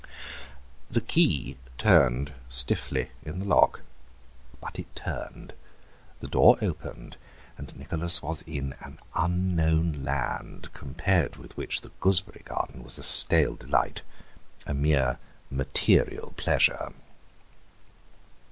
The key turned stiffly in the lock, but it turned. The door opened, and Nicholas was in an unknown land, compared with which the gooseberry garden was a stale delight, a mere material pleasure.